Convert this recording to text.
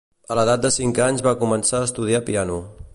A l'edat de cinc anys va començar a estudiar piano.